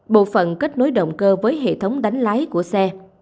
bộ phận kết nối động cơ với hệ thống đánh lái của xe